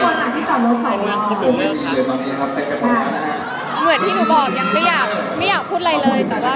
หรือว่าหนูขอเก็บไว้เป็นเรื่องความสำหรับตัวหนูเองดีกว่า